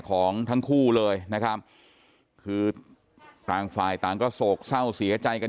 ของทั้งคู่เลยนะครับคือต่างฝ่ายต่างก็โศกเศร้าเสียใจกัน